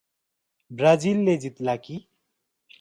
ब्राजिलले जित्ला कि ।